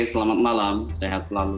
selamat malam sehat selalu